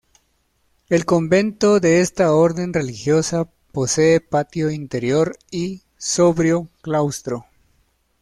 El Convento de esta orden religiosa posee patio interior y sobrio claustro.